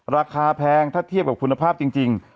แพงถ้าเทียบกับคุณภาพจริง